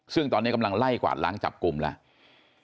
ซึ่งตอนนี้กำลังไล่กวาดล้างจับกลุ่มแล้ว